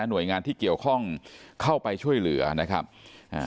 หน่วยงานที่เกี่ยวข้องเข้าไปช่วยเหลือนะครับอ่า